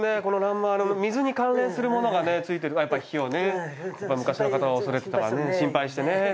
この欄間水に関連するものがねついてるやっぱり火をね昔の方は恐れてたからね心配してね。